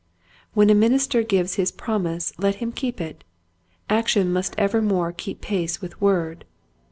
When a minister gives his promise let him keep it. Action must evermore keep pace with word.